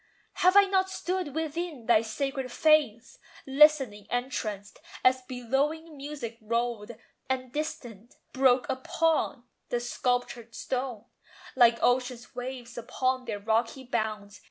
Have I not stood within thy sacred fanes, Listening entranced, as billowing music rolled, And distant, broke upon the sculptured stone Like ocean's waves upon their rocky bounds?